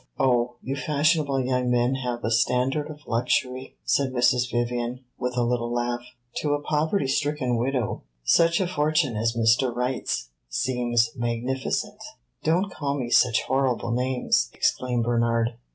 "Oh, you fashionable young men have a standard of luxury!" said Mrs. Vivian, with a little laugh. "To a poverty stricken widow such a fortune as Mr. Wright's seems magnificent." "Don't call me such horrible names!" exclaimed Bernard.